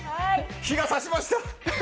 日が差しました！